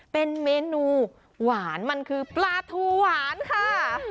เป็นเมนูหวานมันคือปลาทูหวานค่ะ